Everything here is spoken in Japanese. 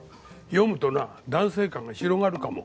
読むとな男性観が広がるかも。